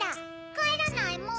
かえらないもん！